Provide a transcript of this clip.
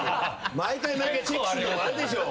毎回チェックするのもあれでしょ。